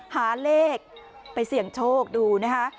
หาเลขไปเสี่ยงโชคดูนะคะ